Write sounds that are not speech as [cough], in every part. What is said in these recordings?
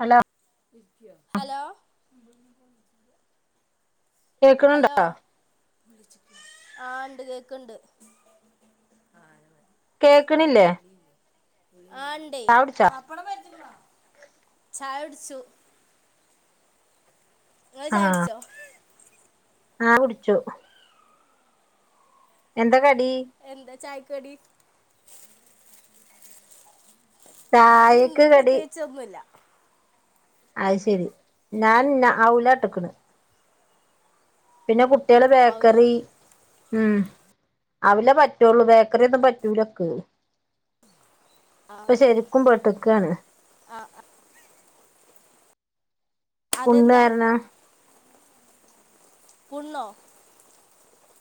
Hello hello hello കേക്കണുണ്ടോ ആഹ്ണ്ട് കേക്ണ്ട് കേക്കണില്ലേ ആഹ് ഇണ്ടെ ചായ കുടിച്ചോ ചായൊട്ച്ചു ഇങ്ങള് ആഹ് ചായൊട്ച്ചൊ? ആഹ് കുടിച്ചു എന്താ കടി? എന്താ ചായക്കടി? കടി ഇന്നു ചായക്ക് കടി പ്രത്യേകിച്ചൊന്നുല്ല അഹ് ശെരി ഞാൻ ഔലാട്ട്ക്ക്ണെ പിന്നെ കുട്ട്യാള് ആവൂലോ ബേക്കറി ഉം ഔലേ പറ്റൊള്ളൂ ബേക്കറിയൊന്നും പറ്റൂലക്ക്‌ ഇപ്പൊ ശെരിക്കും പെട്ട്ക്കാണ് ആഹ് ആഹ് അതെന്താ പുണ്ണാരെണം പുണ്ണോ?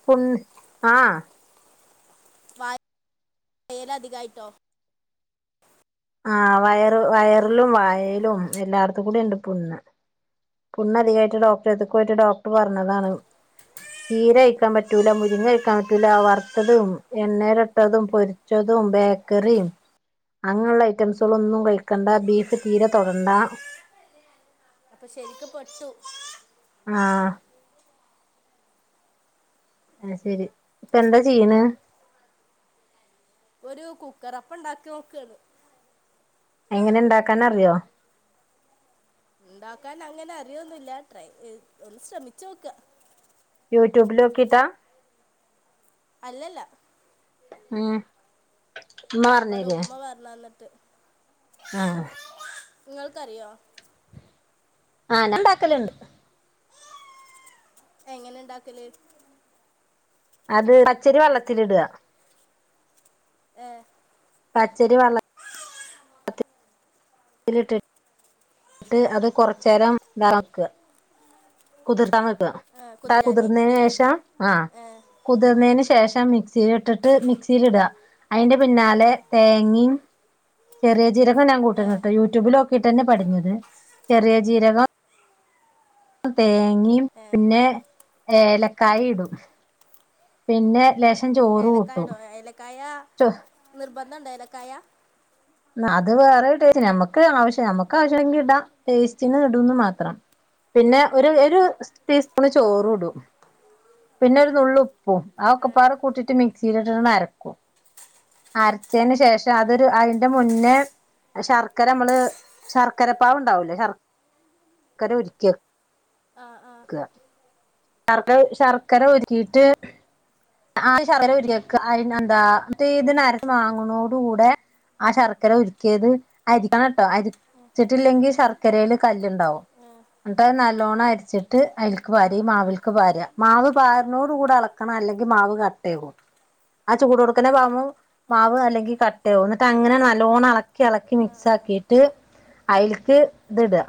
പുണ്ണ് ആഹാ വേലധികായിട്ടോ? ആ വയറ് വയറിലും വായേലും എല്ലാട്ത്തു കൂടിണ്ട് പുണ്ണ് പുണ്ണ് അധികായിട്ട് ഡോക്ടർ എട്ത്ത്ക്ക്‌ പോയിട്ട് ഡോക്ടർ പർഞ്ഞതാണ് ചീര കഴിക്കാം പറ്റൂല മുരിങ്ങ കഴിക്കാം പറ്റൂല വർത്തതും എണ്ണേല്ട്ടതും പൊ ച്ചതും ബേക്കറിം അങ്ങൻള്ള ഐറ്റംസുകള ഒന്നും കഴിക്കണ്ട ബീഫ് തീരെ തൊടണ്ട അപ്പൊ ശരിക്കും പെട്ടു ആഹ് അയ് ശെരി ഇപ്പ എന്താ ചെയ്യ്ണ് ഒര് കുക്കറപ്പം ഇണ്ടാക്കി നോക്കാണ് എങ്ങനെ ഇണ്ടാക്കാന അറിയോ ഇണ്ടാക്കാൻ അങ്ങനെ അറിയൊന്നുല്ല ട്രൈ ഒന്ന് ശ്രമിചോക്ക യൂട്യൂബിലോക്കിട്ടാ അല്ല അല്ല ഉം ഉമ്മ ഇവടെ പറഞ്ഞേരേ ഉമ്മ പർഞ്ഞന്ന്ട്ട് ആഹ് ഇങ്ങൾക്കറിയോ? ആഹ് ഞാണ്ടാക്കല്ണ്ട് എങ്ങനെ ഉണ്ടാക്കല് അത് പച്ചരി വെള്ളത്തില് ഇട ഏഹ് പച്ചരി വള്ള ലിട്ടിട്ട് ട്ട് അത് കൊർചെരം താക്ക കുതിർത്താൻ വെക്കുക കുതിരാന് കുതിർന്നതിന് ശേഷം ആഹ് കുതിർന്നെന് ശേഷം മിക്സില് ഇട്ടിട്ട് മിക്സില് ഇട അതിന്റെ പിന്നാലെ തേങ്ങയും ചെറിയ ചീരക്ക ഞാൻ കൂട്ടിട്ട് യൂട്യൂബിലൊക്കെ ട്ടന്നെ പട്ഞ്ഞത് ചെറിയ ജീരകം തേങ്ങയും പിന്നെ ഏലക്കായ ഇടും പിന്നെ ചോറ് കൂട്ടും ഏലക്കായടോ ഏലക്കായ നിർബന്ധണ്ടോ ഏലക്കായ അത് വേറെ ടേസ്റ്റ് നമക്ക് ആവശ്യം നമക്ക് ആവശ്യമങ്കിൽ ഇടാം ടേസ്റ്റിന് ഇടന്ന് മാത്രം പിന്നെ ഒരു ഒരു ടീസ്പൂൺ ചോറും ഇടും പിന്നെ ഒരു നുള്ള് ഉപ്പും ആഒക്കെ ആ പാടെ കൂട്ടിട്ട് മിക്സിലിട്ട് അരക്കും അര്ചെന്റെ ശേഷം അതൊരു ആ അ ന്റെ മുന്നേ ശർക്കര നമ്മള് ശർക്കര പാവ് ഇണ്ടാവൂലെ ശ ശർക്കര ഉരുക്കി ആ ആ ശർക്കര ശർക്കര ഉര്ക്കിട്ട് ആദ്യം ശർകര ഉര്ക്കി വെക്ക എന്താ [unintelligible] വാങ്ങുണോട് കൂടെ ആ ശർക്കര ഉര്ക്കിയത് അരിക്കണം ട്ടോ അരിച്ചിട്ടില്ലെങ്കി ശർക്കരെല് കല്ല്ണ്ടാവും ൻട്ട് നല്ലോണ അര്ച്ച്ട്ട് അയിൽക്ക് ആ പാര ഈ ആ മാവിൽക്ക് പാര മാവ് പാര്നോട് കൂടെ എള അല്ലെങ്കിൽ മാവ് കട്ട ആകും ആഹ് ചൂട് കൊടുക്കുന്പാർന്ന ആ മാവ് അല്ലെങ്കിൽ കട്ടയാകും ഇട്ട അങ്ങനെ നല്ലോണം ഇളക്കി ഇളക്കി മിക്സ് ആക്കിയിട്ട് അതിലക്ക് ഇത്ടുക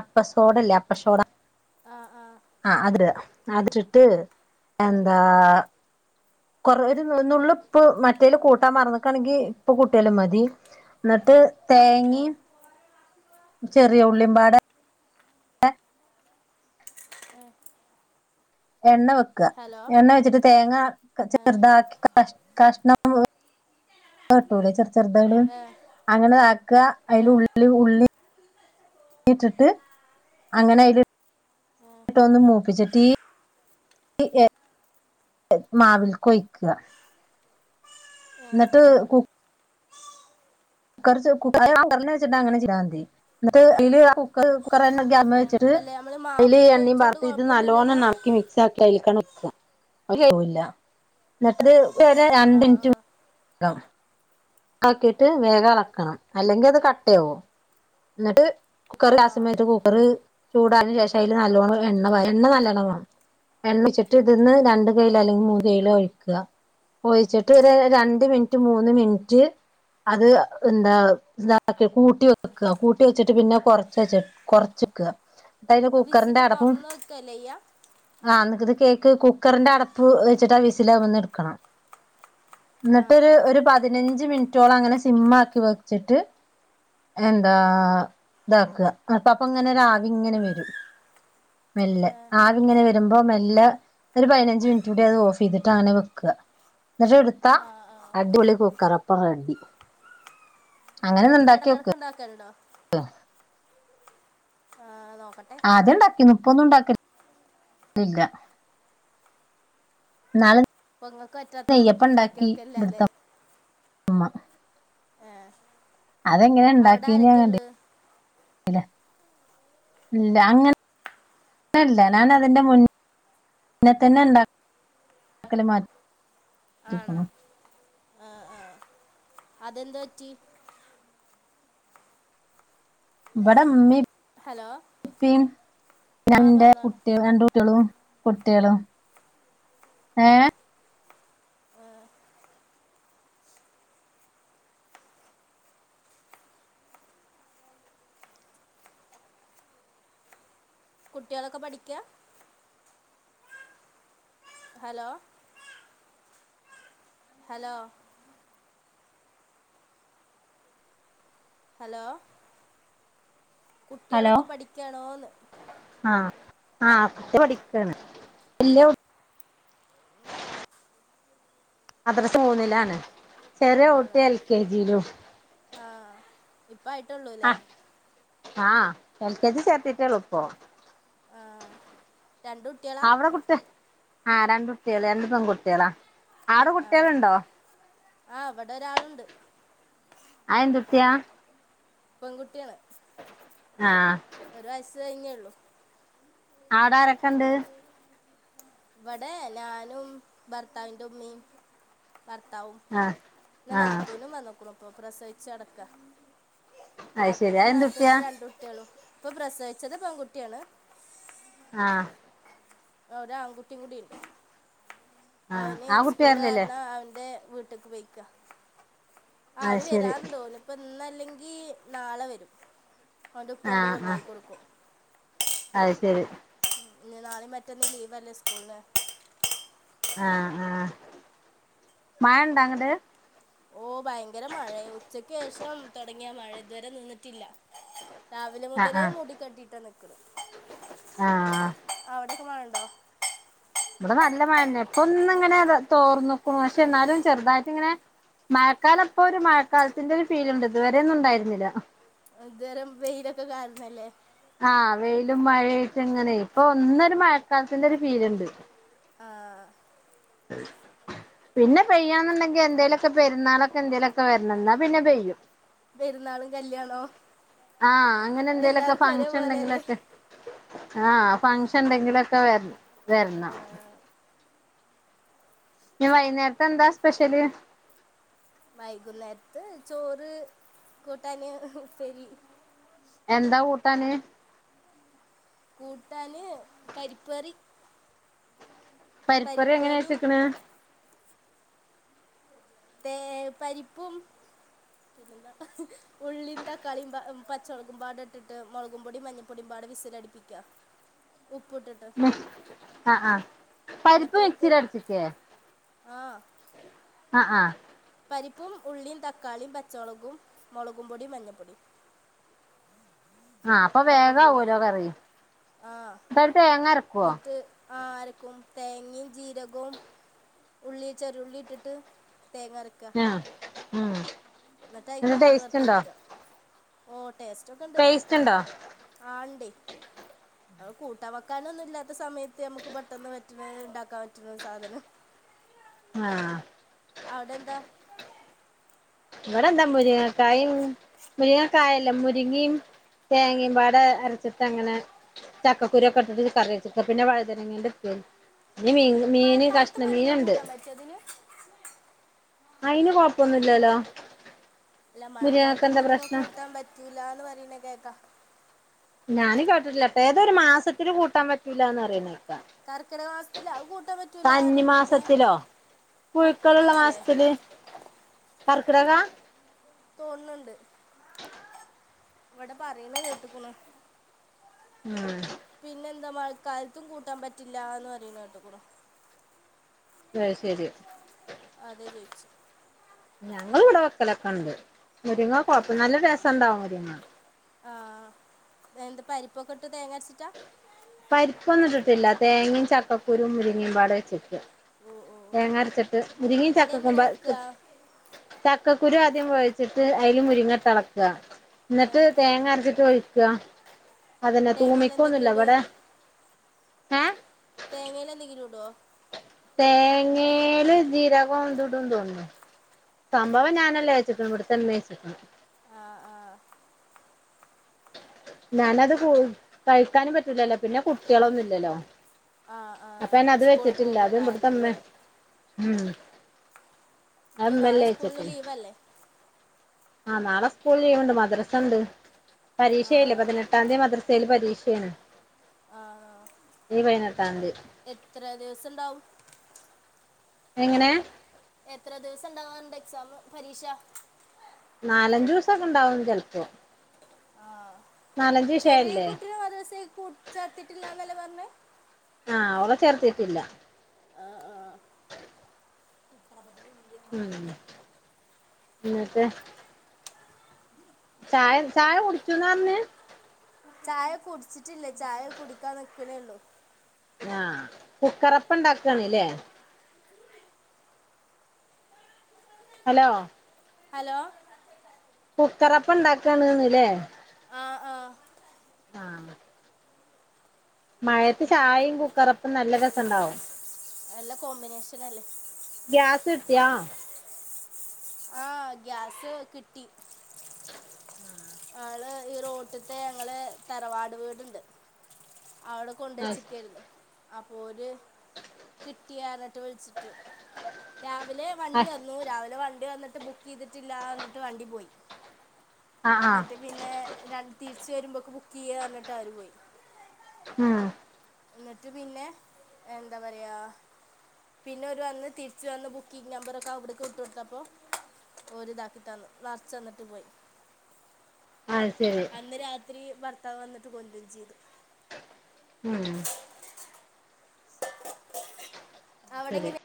അപ്പസോടല്ലേ അപ്പസോടാ ആഹ് ആഹ് ആഹ് അത് അതിട്ട് എന്താ കൊർ ഒരു നുള്ള് ഇപ്പ് മറ്റേല് കൂട്ടാം മർന്ന്ക്കണെങ്കി ഇപ്പൊ കൂട്ടിയാലും മതി എന്നിട്ട് തേങ്ങയും ചെറിയ ഉള്ളിമ്പാട ഏ എണ്ണ വെക്കുക ഹലോ എണ്ണ വെച്ചിട്ട് തേങ്ങ ചെറുതാക്കി ക കഷ്ണം കട്ടക്കുലേ ചെറ ചെറുതകള് അങ്ങനെതാക്കുക അതിൽ ഉള്ള ഉള്ളി ന്നിട്ടിട്ടു അങ്ങനെ അയല് ട്ടൊന്ന് മൂപ്പിച്ചിട്ടീ മാവിൽ കൊയ്ക്കുക എന്നിട്ട് കുക്ക കുക്കർ കുറെ കുക്കറിന്ന് വെച്ചിട്ട് അങ്ങനെ ചെയ്താ മതി എന്നിട്ട് അതില് കുക്കറ് അല്ലേ നമ്മൾ മാവിൽ ഇത്അയല്എണ്ണീയും കൊഴിച്ചോണ്ട് പാറത്ത് കുഴപ്പമൊന്നുമില്ലല്ലോ നല്ലവോണം നറ മിക്സ്‌ ആക്കി അതിലേക്ക് തന്നെ ഒഴിക്കുക എന്നിട്ട് [inaudible] വരെ രണ്ട ആ മിനിറ്റും ആക്കിട്ട് വേഗം ഇളക്കണം അല്ലെങ്കിൽ അത് കട്ടയാവും എന്നിട്ട് കുക്കർ ആ ഉണ്ടാക്കുമ കുക്കർ ചൂടയന് ശേഷം അതില് നല്ലോണം എണ്ണ എണ്ണ നല്ലോണം വേണം എണ്ണ വച്ചിട്ട് ഇതിന്ന് രണ്ട് കൈയിലോ അല്ലെങ്കിൽ ആ മൂന്ന് കൈയിലോ ഒഴിക്കുക ഒഴിച്ചിട്ട് ഒരു രണ്ട് മിനിറ്റ് മൂന്ന് മിനിറ്റ് അത് എന്താ ഇത കൂട്ടി വെക്കുക കൂട്ടി വെച്ചിട്ട് പിന്നെ കൊറച്ച് വെക്ക് കുറച്ചക്കുക ന്നിട്ടതിന്റെ വിസിൽ കുക്കറിന്റെ അടപ്പും തുറന്ന് വെക്കല്ലേ ചെയ്യാം ആഹ് എന്നിട്ടത് കേക്ക് കുക്കറിന്റെ അടപ്പ് വെച്ചിട്ട് ആ വിസിലവിടന്ന് എടുക്കണം ആ എന്നിട്ട് ആ ഒരു പതിനഞ്ച് മിനിറ്റോളം അങ്ങനെ സിം ആക്കി വെച്ചിട്ട് എന്താ ഇതാക്കുക അപ്പ ഇങ്ങനെ ആവി ഇങ്ങനെ വരും മെല്ല് ആവിങ്ങനെ വരുമ്പോ മെല്ല് ഒരു പതിനഞ്ച് മിനിറ്റ് കൂടി അത് ഓഫ് ചെയ്തിട്ട് അങ്ങനെ വെക്കുക എന്നിട്ട് എടുത്താ ആ ആ അടിപൊളി കൊ കറപ്പാരറെഡി വീട്ടില ഇടക്കിടക്ക ഉണ്ടാക്കലണ്ടോ ണ്ട് ആഹ് നോക്കട്ടെ ആദ്യം ഉണ്ടാക്കി ഇപ്പൊന്നും ഉണ്ടാക്കല്ല ഇല്ല ന്നാള് പൊങ്ങൾക്ക് പറ്റാത്തത് കൊണ്ട് ഇപ്പ ഉണ്ടാക്കിയോക്കെല്ല അല്ലേ ഏഹ് മഅതെങ്ങനെ അവിടെ ഇണ്ടാക്കീന്ന് ഞാ കണ്ട് ആരൊക്കെയള്ള് ഇല്ല അങ്ങനെ ല്ല ഞാന അതി്ന്റെ മുന്നെ തന്നെ ഉണ്ടാക്കാക്കല് മാറ്റ ആണോ ആ ആഹ അതെന്തു പറ്റി ഇവിടെ ഉമ്മി ഹലോ ഉപ്പി ആഹ് എന്റെ പറഞ്ഞോ പറഞ്ഞോ കുട്ടിക രണ്ട് കുട്ടികളും കുട്ടികളും ഏ കുട്ടികളൊക്കെ പഠിക്കുക ഹലോ ഹലോ ഹലോ കുട്ടികളൊക്കെ പഠിക്കാണോന്ന് ആഹ ആ കുട്ടികളക്കപഠിക്കാണ് വലിയ കുട്ടി മദ്രസ മൂന്നിലാണ് ചെറിയ ആണോ കുട്ടി എൽ കെ ജിയിലും ആഹ് ഇപ്പയിട്ടുള്ളൂല്ലേ ആഹ എൽ കെ ജി ചേർത്തിട്ടള ഇപ്പോ ആഹ രണ്ടു കുട്ടി അവിടെ കുട്ടി ആഹ് രണ്ട് കുട്ടികള് രണ്ടു പെൺകുട്ടികളാ ആടെ ആഹ് കുട്ടികളുണ്ടോ ആ ഇവിടൊരാളുണ്ട് അ് എന്തുട്ട്യാ പെൺകുട്ടിയാണ് ആഹ് ഒരു വയസ്സ് കഴിഞ്ഞേള്ളു ആടാരൊക്കെണ്ട് ഇവിടെ ഞാനും ഭർത്താവിന്റെ ഉമ്മിം ഭർത്താവും ആഹ് പിന്നെ ആഹ് ന്നാത്തൂനും വന്നോക്കണ്പ്പൊ പ്രസവിച്ചട്ക്ക അത് ശരി നാത്തൂനും അതെന്തുട്ടിയാ നാത്തൊൻ്റെ രണ്ടുട്ട്യാളും ഇപ്പൊ പ്രസവിച്ചത് പെൺകുട്ടിയാണ് ആഹ് ഒരാൺകുട്ടി കൂടിണ്ട് ആഹ് അവന് ആ കുട്ടി സ്കൂള് വരലില്ലേ കാരണം അവൻ്റെ വീട്ടിക്ക് പോയിക്ക ആഹ് അത് അവർ ശരി വരാന്ന് തോന്നുന്നു ഇപ്പന്നല്ലെങ്കി നാളെ വരും അവൻ്റെ ഉപ്പ ആ അങ്ങോട്ട് ആഹ് കൊടുന്നായി കൊടുക്കും അത് ശരി ഞ്ഞ് നാളിം മറ്റന്നാ ലീവ ല്ലേ സ്കൂളിന് ആ ആഹ് മഴണ്ടാങ്ങട്ട് ഓ ഭയങ്കര മഴേ ഉച്ചക്കേഷം തുടങ്ങിയ മഴ ഇതുവരെ നിന്നിട്ടില്ല രാവിലെ ആഹ് മുതലേ ആഹ് മൂടി കെട്ടിട്ടാ നിക്കണെ ആഹ് അവിട്ക്ക് മഴണ്ടോ ഇവിടെ നല്ല മഴന്നെ. ഇപ്പൊന്ന്ങ്ങനെ തോർന്ന്ക്കുണു പക്ഷെ ന്നാലും ചെറുതായിട്ടിങ്ങനെ മഴക്കാലപ്പൊ ഒരു മഴക്കാലത്തിന്റെ ഒരു ഫീല്ണ്ട് ഇതുവരെ ഒന്നും ഉണ്ടായി രുന്നില്ല ഇത് വരം വെയിലൊക്കെ കാണിച്ചല്ലേ ആഹ് വെയിലും മഴായ്ട്ടങ്ങനെ ഇപ്പൊ ഒന്നൊരു മഴക്കാലത്തിന്റെ ഒരു ഫീല്ണ്ട് ആഹ് ഉം പിന്നെ പെയ്യണന്നുണ്ടെങ്കിൽ എന്തേലൊക്കെ പെരുന്നാളൊക്കെന്തേലൊക്കെ വരണം ന്നാ പിന്നെ പെയ്യും പെരുന്നാളും കല്യാണവും ആഹ് അങ്ങനെ എന്തെലൊക്കെ എല്ലാർക്കും ഫങ്ഷൻ ഒരേപോലെല്ലേ ണ്ടെങ്കിലൊക്കെ ആഹ് ഫങ്ഷൻണ്ടെങ്കിലൊക്കെ വരണം വരണം ആഹ് ഞ്ഞ് വൈന്നേരത്തെന്താ സ്പെഷ്യല് വൈകുന്നേരത്ത് ചോറ് കൂട്ടാന് ഉപ്പേരി എന്താ കൂട്ടാന് കൂട്ടാന് പരിപ്പ് കറി പരിപ്പറി പരിപ്പ് കറിയും എങ്ങനെച്ചക്കണേ തേ പരിപ്പും ഉള്ളിം തക്കാളിം പച്ചമുളകും പാടട്ടിട്ട് മുളകും പൊടിം മഞ്ഞപ്പൊടിയും പാട വിസിലടിപ്പിക്ക ഉം ആഹ് ആഹ് പരിപ്പ് എന്നിട്ട് അയ്ക്ക് മിക്സിയിലട്ച്ചിക്കെ ആഹ് ആ അഹ് പരിപ്പും ഉള്ളിം തക്കാളിം പച്ചമളകും മുളകും പൊടിം മഞ്ഞപ്പൊടിം ആഹ് അപ്പൊ ഒക്കെ കൂടെ വേഗാവൂലോ കറി. അപ്പോ തേങ്ങരക്കുവോ? എന്നിട്ട് ആഹ് അരക്കും തേങ്ങിം ജീരകും ഉള്ളി ചെറുള്ളിട്ടിട്ട് തേങ്ങരയ്ക്കു ക്ക ആഹ് ഉം ഇന്നട്ടയ്ക്ക് ന്നട്ട് കടു ടേസ്റ്റ് ണ്ടോ വറത്തൊരിക്ക ഓ ടേസ്റ്റൊക്കെണ്ട് ടേസ്റ്റ് ആ ണ്ടേ ഉം അത് കൂട്ടാൻ വക്കാനൊന്നുംല്ലാത്ത സമയത്ത് നമുക്ക് പെട്ടെന്ന് പറ്റണ ണ്ടാക്കാൻ പറ്റണ സാധനം ആഹ് അവിടെന്താ ഇവിടെ എന്താ മുരിങ്ങക്കായും മുരിങ്ങക്കായല്ല മുരിങ്ങിം തേങ്ങേം പാട് അരച്ചിട്ടങ്ങനെ ചക്കക്കുരു ഒക്കെ ഇട്ടിട്ട് ഒരു കറിവെച്ച് ഇപ്പൊ പിന്നെ വഴുതനങ്ങേന്റെ ഉപ്പേരി ഇനി മീ മീന് മഴക്കാലത്ത് കഷ്ണം മുരിങ്ങ മീനൊണ്ട് [unintelligible] അയിന് കൊഴപ്പൊന്നുല്ലാലോ അല്ല മഴക്കാലത്ത് മുരിങ്ങ പ്രശ്നം കൂട്ടാൻ പറ്റൂലാന്ന് പറയണ കേക്കാം ഞാനും കേട്ടിട്ടില്ലാട്ടൊ ഏതോരു മാസത്തില് കൂട്ടാൻ പറ്റൂലാന്ന് പറയുന്നേ കർക്കിടക മാസത്തില് അത് കൂട്ടാൻ പറ്റൂലാ പറയും പിന്നെ പുഴ്ക്കള് ള്ള കർക്കിടകല്ലേ മാസത്തില് കർക്ക്ടകാ തോന്ന്ണ്ട് ഇവടെ പറയണ കേട്ട്ക്കണു മ്ഹ് പിന്നെന്താ മഴക്കാൽത്തും കൂട്ടാൻ പറ്റില്ലാന്ന് പറയുന്ന കേട്ട്ക്കുണു അയ് ശരിയാ അതാ ചോയിച്ചേ ഞങ്ങള് ഇവ്ടെ വെക്കലൊക്കേ ഇണ്ട് മുരിങ്ങ കൊഴപ്പം നല്ല രസണ്ടാവും മുരിങ്ങ ആഹ് എന്ത് പരിപ്പൊക്കെ ഇട്ട് തേങ്ങ അരച്ചിട്ടാ പരിപ്പൊന്നും ഇട്ട്ട്ടില്ല തേങ്ങേം ചക്കക്കുരൂം മുരിങ്ങേം പാടെ വെച്ചിട്ട് ഓ ഓ തേങ്ങ അരച്ചിട്ട് മുരിങ്ങേം ചക്ക അതെങ്ങനെ ക്കുമ്പ വെക്കുക [unintelligible] ചക്കക്കുരു ആദ്യം വേവിച്ചിട്ട് അയ്ല് മുരിങ്ങ ഇട്ട് എളക്കുക എന്നിട്ട് തേങ്ങ അരച്ചിട്ട് ഒഴിക്കുകാ അതന്നെ തേങ്ങയിൽ എന്തൊക്കെ തൂമിക്കോന്നൂല്ല ഇട് ഇവടെ ഏഹ് തേങ്ങേല് എന്തെങ്കിലും ഇടുവോ തേങ്ങേല് ജീരകോം ഇതും ഇടൂന്ന് തോന്നുന്നു സംഭവം ഞാനല്ല വെച്ച്ക്കണു ഇവിടുത്തെ ഉമ്മയാ വെച്ച്ക്കണു ആഹ് ആഹ് ഞാനത് കു കഴിക്കാനും പറ്റൂല്ലല്ലോ പിന്നെ കുട്ട്യളൊന്നും ഇല്ലല്ലോ ആ ആ അപ്പൊ പിന്നെ അത് സ്കൂളിൽ വെച്ചിട്ടില്ല പോകുക അതും ഇവിടത്തെ കാരണം ഉമ്മ അല്ലേ മ്ഹ് അത് ഇനി നാളെ ഇന്നല്ലേ സ്കൂളിന് വെച്ച്ക്കണ് ലീവല്ലേ ആഹ് നാളെ സ്കൂള് ലീവ്ണ്ട് മദ്രസണ്ട് പരീക്ഷ ആ ആയില്ലേ പതിനെ ട്ടാന്തി മദ്രസേല് പരീക്ഷേണ് ആഹ് ഈ പയ്നെട്ടാന്തി എത്ര ദിവസണ്ടാവും എങ്ങനെ എത്ര ദിവസം ഇണ്ടാവും ഓന്റെ എക്സാമ് പരീക്ഷ നാലഞ്ച് ദിവസൊക്കെ ഇണ്ടാവും ചെൽപ്പോ ആഹ് ചെറിയേ വിഷയല്ലേ കുട്ടിനെ മദ്രസേൽ കു ചേർത്തിട്ടില്ലാന്നല്ലേ പർഞ്ഞേ ആഹ് ഓളെ ചേർത്തിട്ടില്ല ആഹ് ആഹ് കറന്റ് ഇല്യ ഉം എന്നിട്ട് ചായ ചായ കുടിച്ചൂന്ന് പറഞ്ഞ് ചായ കുടിച്ചിട്ടില്ല ചായ കുടിക്കാൻ നിക്കണേ ഉള്ളൂ ആഹ് കുക്കറപ്പം ഇണ്ടാക്കാണ് ല്ലേ ഹലോ ഹലോ കുക്കറപ്പം ഇണ്ടാക്കാണ്ന്ന് ലേ ആഹ് ആഹ് ആ മഴത്ത് ചായയും കുക്കറൊപ്പം നല്ല രസംണ്ടാവും നല്ല കോമ്പിനേഷൻ അല്ലേ ഗ്യാസ് കിട്ടയാാ ആഹ ഗ്യാസ് കിട്ടി ള് ഈ റോട്ടത്തെ ഞങ്ങള് തറവാട് വീടുണ്ട് അവിടെ കൊണ്ട ആഹ് വച്ചിക്കായിരുന്നു അപ്പൊ ഒരുര് കിട്ടിയരഞ്ഞിട്ട് വിളിച്ചിട്ട് രാവിലെ വണ്ടി ആഹ് വന്നു രാവിലെ വണ്ടി വന്നിട്ട് ബുക്ക് ചെയ്തിട്ടില്ല എന്നിട്ട് വണ്ടി പോയി ആഹ് എന്നിട്ട് പിന്നെ ര തിരിച്ച് വരുമ്പോക്കെ ബുക്ക് ചെയ്യന്നിട്ട് ആര് പോയി ഉം എന്നിട്ട് പിന്നെ എന്താ പറയാ പിന്നെ ഒരു വന്ന് തിരിച്ച് വന്ന ബുക്കിംഗ് നമ്പറൊക്കെ അവിടക്ക് വിട്ടു കൊടുത്ത അപ്പോൾ ഒരിതാക്കിട്ടന്നു നിറച്ച്ന്നിട്ട് പോയി ആഹ് ശരി അന്ന് രാത്രി ഭർത്താവ് വന്നട്ട് കൊണ്ടും ചെയ്തു ഉം ശരി അവിടെങ്ങനെ